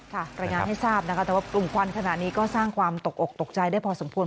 รายงานให้ทราบนะคะแต่ว่ากลุ่มควันขณะนี้ก็สร้างความตกอกตกใจได้พอสมควร